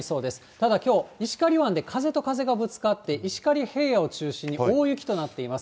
ただきょう、石狩湾で風と風がぶつかって、石狩平野を中心に大雪となっています。